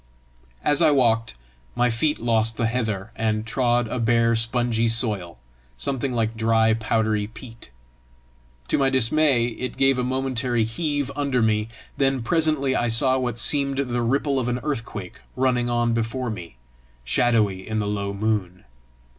As I walked, my feet lost the heather, and trod a bare spongy soil, something like dry, powdery peat. To my dismay it gave a momentary heave under me; then presently I saw what seemed the ripple of an earthquake running on before me, shadowy in the low moon.